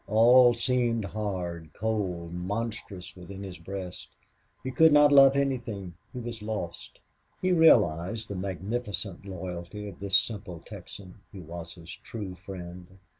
All seemed hard, cold, monstrous within his breast. He could not love anything. He was lost. He realized the magnificent loyalty of this simple Texan, who was his true friend.